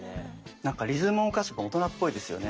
なんかリズムも歌詞も大人っぽいですよね。